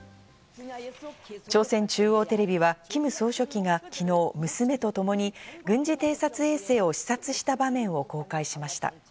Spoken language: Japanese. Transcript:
朝鮮中央テレビはキム総書記がきのう娘とともに軍事偵察衛星を視察した場面を公開しました。